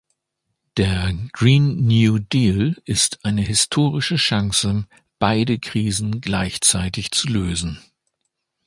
Der "Green New Deal" ist eine historische Chance, beide Krisen gleichzeitig zu lösen.